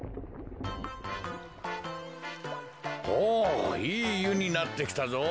おいいゆになってきたぞ。